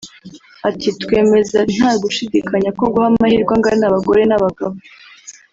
Ati “Twemeza nta gushidikanya ko guha amahirwe angana abagore n’abagabo